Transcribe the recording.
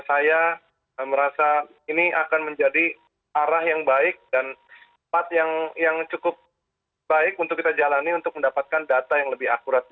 saya merasa ini akan menjadi arah yang baik dan tempat yang cukup baik untuk kita jalani untuk mendapatkan data yang lebih akurat